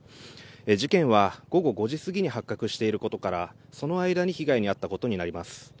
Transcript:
事件は午後５時過ぎに発覚していることからその間に被害に遭ったことになります。